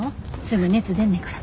すぐ熱出んねから。